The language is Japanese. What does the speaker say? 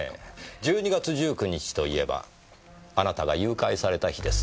１２月１９日といえばあなたが誘拐された日です。